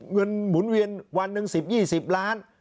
หมุนเวียนวันหนึ่ง๑๐๒๐ล้าน